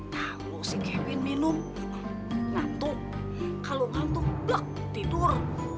kamu si kevin minum nantu kalau nantu blok tidur